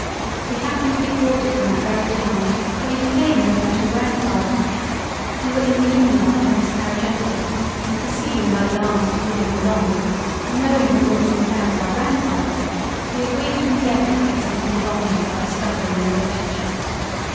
We happened to be quartered in that very Town, where you came and met your Grandfather—. We were in the Inn yard when his Carriage entered and perceiving by the arms to whom it belonged, and knowing that Lord St Clair was our Grandfather, we agreed to endeavour to get something from him by discovering the Relationship—.